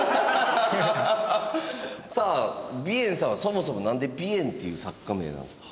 さあＢＩＥＮさんはそもそもなんで「ＢＩＥＮ」っていう作家名なんですか？